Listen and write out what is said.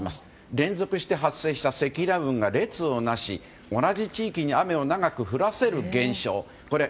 連続して発生した積乱雲が列をなし同じ地域に雨を長く降らせる現象。